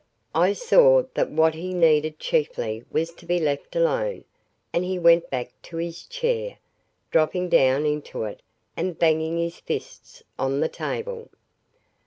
I saw that what he needed chiefly was to be let alone, and he went back to his chair, dropping down into it and banging his fists on the table.